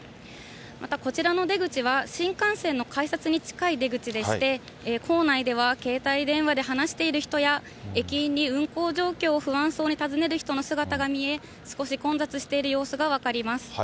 また、こちらの出口は新幹線の改札に近い出口でして、構内では携帯電話で話している人や、駅員に運行状況を不安そうに尋ねる人の姿が見え、少し混雑している様子が分かります。